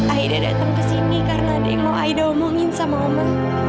aida datang kesini karena ada yang mau aida omongin sama oma